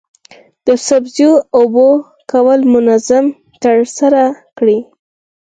د سبزیو اوبه کول منظم ترسره کړئ.